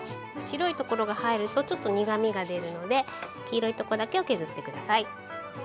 白いところが入るとちょっと苦みが出るので黄色いとこだけを削って下さい。